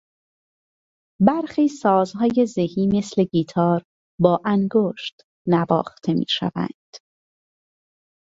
برخی سازهای زهی مثل گیتار با انگشت نواخته میشوند.